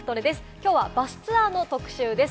きょうはバスツアーの特集です。